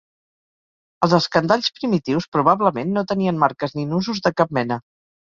Els escandalls primitius, probablement, no tenien marques ni nusos de cap mena.